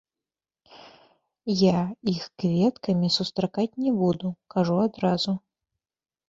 Я іх кветкамі сустракаць не буду, кажу адразу.